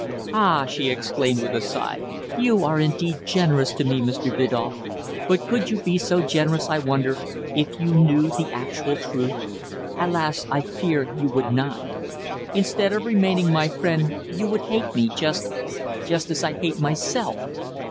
"Ah!" she exclaimed, with a sigh, "you are indeed generous to me, Mr. Biddulph. But could you be so generous, I wonder, if you knew the actual truth? Alas! I fear you would not. Instead of remaining my friend, you would hate me just just as I hate myself!"